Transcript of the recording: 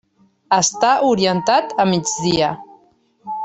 Està orientat a migdia.